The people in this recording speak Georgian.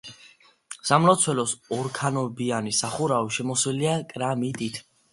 სამლოცველოს ორქანობიანი სახურავი შემოსილია კრამიტით.